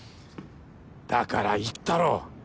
だから言ったろ。